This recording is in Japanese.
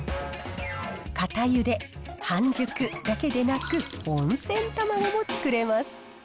固ゆで、半熟だけでなく、温泉卵も作れます。